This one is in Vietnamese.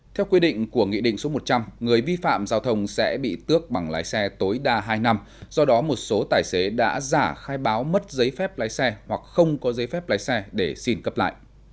theo quy định của nghị định số một trăm linh người vi phạm giao thông sẽ bị tước bằng lái xe tối đa hai năm do đó một số tài xế đã giả khai báo mất giấy phép lái xe hoặc không có giấy phép lái xe để xin cấp lại